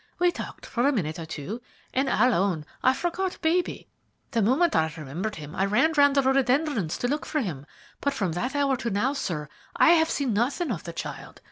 We talked for a minute or two, and I'll own I forgot baby. The moment I remembered him I ran round the rhododendrons to look for him, but from that hour to now, sir, I have seen nothing of the child.